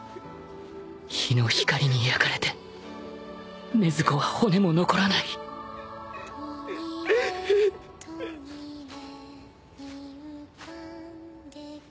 日の光に焼かれて禰豆子は骨も残らない禰豆子禰豆子。